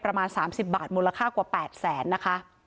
ประมาณสามสิบบาทมูลค่ากว่าแปดแสนนะคะ